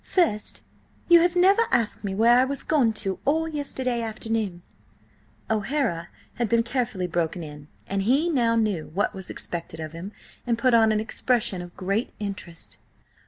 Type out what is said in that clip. "First, you have never asked me where I was gone to all yesterday afternoon." O'Hara had been carefully broken in, and he now knew what was expected of him, and put on an expression of great interest.